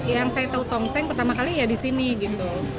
yang saya tahu tongseng pertama kali ya di sini gitu